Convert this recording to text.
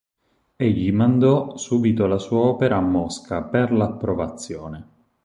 Egli mandò subito la sua opera a Mosca per l'approvazione.